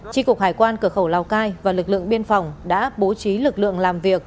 tri cục hải quan cửa khẩu lào cai và lực lượng biên phòng đã bố trí lực lượng làm việc